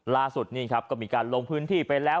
ล่าสุดนี่ครับก็มีการลงพื้นที่ไปแล้ว